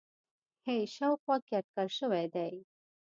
ه شاوخوا کې اټکل شوی دی